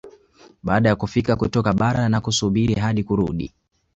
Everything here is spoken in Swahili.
Baada ya kufika kutoka bara na kusubiri hadi kurudi